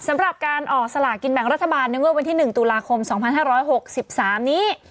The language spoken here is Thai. สำหรับการออกสลากินแบ่งรัฐบาลในงวดวันที่หนึ่งตุลาคมสองพันห้าร้อยหกสิบสามนี้